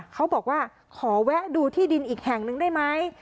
เขาบอกว่าขอแวะดูที่ดินอีกแห่งนึงได้ไหม